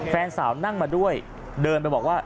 แฟนสาวนั่งมาด้วยเดินไปบอกว่า